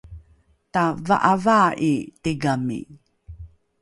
tava’avaa’i tigami